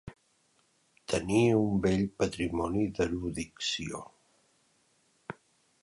Tenir un bell patrimoni d'erudició.